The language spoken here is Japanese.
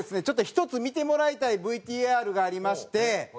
ちょっと１つ見てもらいたいＶＴＲがありまして。